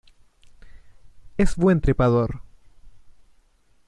Es buen trepador.